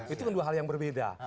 itu dua hal yang berbeda